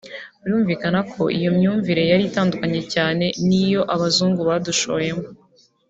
Birumvikana ko iyo myumvire yari itandukanye cyane n’iyo Abazungu badushoyemo